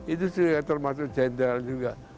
itu termasuk jenderal juga